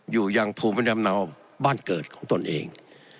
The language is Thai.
อยู่ยังภูมิลำเนาบ้านเกิดของตนเอง